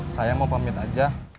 saya mau pamit aja